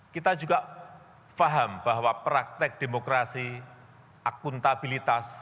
kita juga paham bahwa praktek demokrasi akuntabilitas